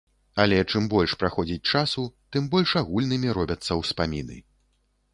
Але чым больш праходзіць часу, тым больш агульнымі робяцца ўспаміны.